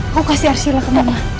aku kasih arsila ke mama